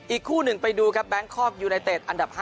อีกคู่หนึ่งไปดูครับแบงคอกยูไนเต็ดอันดับ๕